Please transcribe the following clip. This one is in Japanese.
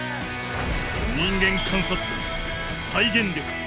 人間観察眼再現力